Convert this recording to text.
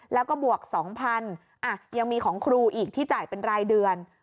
แล้วก็บวก๒๐๐๐ยังมีของครูอีกที่จ่ายเป็นรายเดือน